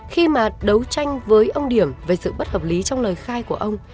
khi mà đấu tranh với ông điểm về sự bất hợp lý trong lời khai của ông